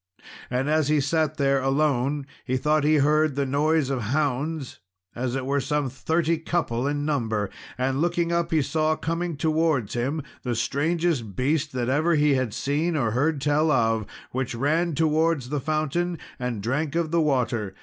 And as he sat there alone, he thought he heard the noise of hounds, as it were some thirty couple in number, and looking up he saw coming towards him the strangest beast that ever he had seen or heard tell of, which ran towards the fountain and drank of the water.